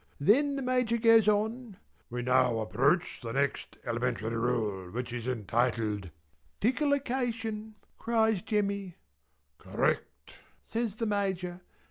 Then the Major goes on: "We now approach the next elementary rule, which is entitled " "Tickleication" cries Jemmy. "Correct" says the Major.